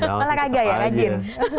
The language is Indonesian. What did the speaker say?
olahraga ya rajin